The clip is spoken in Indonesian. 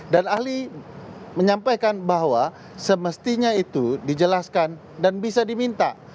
dan ahli menyampaikan bahwa semestinya itu dijelaskan dan bisa diminta